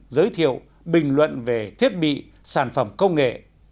giới thiệu bình luận về thiết bị sản phẩm công nghệ